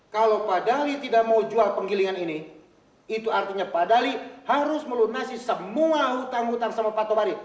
kalau pak dali tidak mau jual penggilingan ini itu artinya pak dali harus melunasi semua hutang hutang sama pak tobari